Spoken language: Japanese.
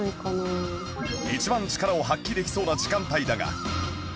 一番力を発揮できそうな時間帯だが